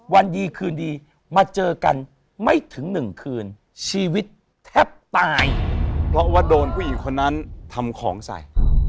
วันดีคืนดีมาเจอกันไม่ถึงหนึ่งคืนชีวิตแทบตายเพราะว่าโดนผู้หญิงคนนั้นทำของใส่